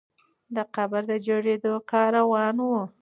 د قبر د جوړېدو کار روان وو.